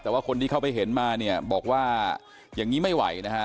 แต่ว่าคนที่เข้าไปเห็นมาเนี่ยบอกว่าอย่างนี้ไม่ไหวนะฮะ